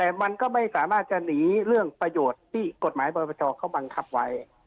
แต่มันก็ไม่สามารถจะหนีเรื่องประโยชน์ที่กฎหมายประประชาเขาบังคับไว้